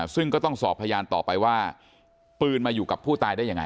ซึ่งก็ต้องสอบพยานต่อไปว่าปืนมาอยู่กับผู้ตายได้ยังไง